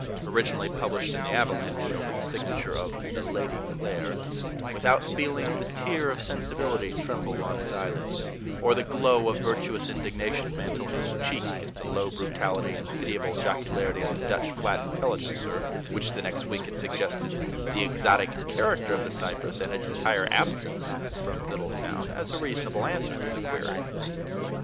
originally published in the AVALANCHE, over the signature of "The Lady Clare," without feeling the tear of sensibility tremble on his eyelids, or the glow of virtuous indignation mantle his cheek, at the low brutality and pitiable jocularity of THE DUTCH FLAT INTELLIGENCER, which the next week had suggested the exotic character of the cypress, and its entire absence from Fiddletown, as a reasonable answer to the query.